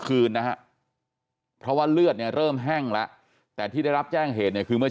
คืนนะเพราะว่าเลือดเริ่มแห้งแล้วแต่ที่ได้รับแจ้งเหตุคือเมื่อ